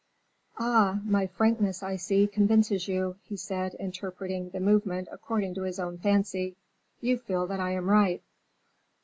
"Ah! my frankness, I see, convinces you," he said, interpreting the movement according to his own fancy. "You feel that I am right."